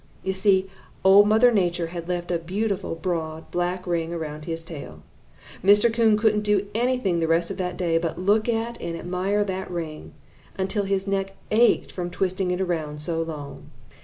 You see, Old Mother Nature had left a beautiful, broad, black ring around his tail. Mr. Coon couldn't do anything the rest of that day but look at and admire that ring, until his neck ached from twisting it around so long.